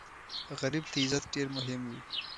غریب ته عزت ډېر مهم وي